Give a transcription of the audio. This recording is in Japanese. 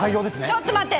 ちょっと待って！